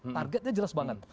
targetnya jelas banget